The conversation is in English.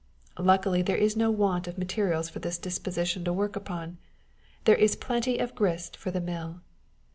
Luckily, there is no want of materials for this disposition to work upon, there is plenty of grist for the mill.